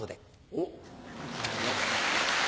おっ。